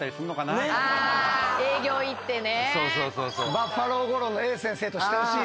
バッファロー吾郎のＡ先生としてほしい。